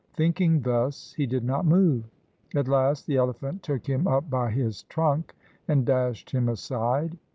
Thinking thus he did not move. At last the elephant took him up by his trunk and dashed him aside.